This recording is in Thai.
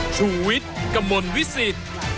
ชูวิดกมนต์วิสิทธิ์